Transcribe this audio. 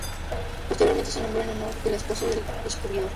Posteriormente se nombró en honor de la esposa del descubridor.